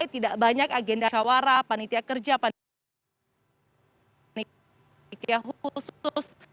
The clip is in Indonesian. tapi tidak banyak agenda syawara panitia kerja panitia khusus